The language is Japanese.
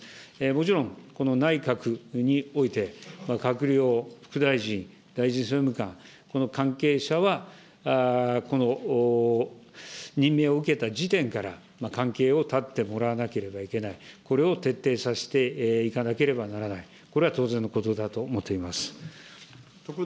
もちろん、この内閣において、閣僚、副大臣、大臣、政務官、この関係者は、この任命を受けた時点から関係を断ってもらわなければいけない、これを徹底させていかなければならない、これは当然のことだと思っています。